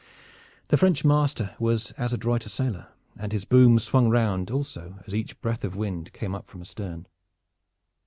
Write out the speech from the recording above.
The French master was as adroit a sailor, and his boom swung round also as each breath of wind came up from astern.